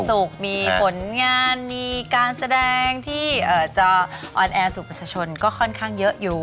สุขมีผลงานมีการแสดงที่จะออนแอร์สู่ประชาชนก็ค่อนข้างเยอะอยู่